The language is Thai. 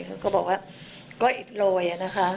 เขาก็บอกว่าก็อิดโรยนะคะ